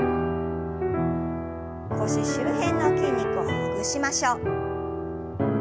腰周辺の筋肉をほぐしましょう。